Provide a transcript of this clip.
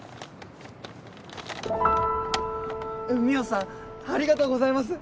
澪さんありがとうございます！